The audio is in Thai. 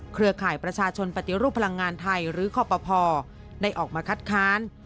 เครือข่ายประชาชนปฏิรูปพลังงานไทยหรือคอปภได้ออกมาคัดค้าน